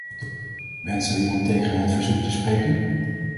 Wenst er iemand tegen het verzoek te spreken?